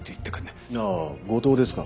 あぁ後藤ですか？